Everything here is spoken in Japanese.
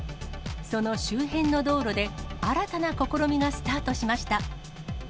その周辺の道路で新たな試みがスタートしました。